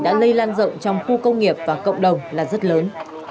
đã lây lan rộng trong khu công nghiệp và cộng đồng là rất lớn